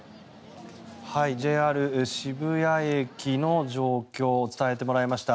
ＪＲ渋谷駅の状況を伝えてもらいました。